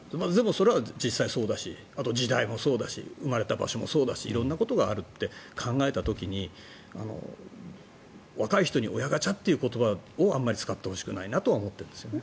それは実際そうだしあと、時代もそうだし生まれた場所もそうだし色んなことがあるって考えた時に若い人に親ガチャという言葉をあまり使ってほしくないなと思ってるんですよね。